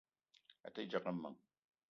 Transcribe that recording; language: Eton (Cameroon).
A te djegue meng.